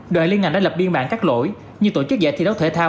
đoàn liên ngành đã lập biên bản các lỗi như tổ chức giải thi đấu thể thao